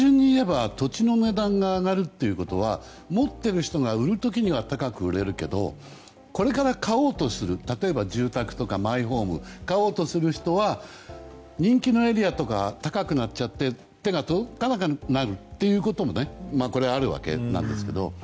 まあ、単純に言えば土地の値段が上がるということは持っている人が売る時には高く売れるけどこれから買おうとする例えば、住宅とかマイホームを買おうとする人は人気のエリアとかは高くなっちゃって手が届かなくなるということもあるわけなんですけども。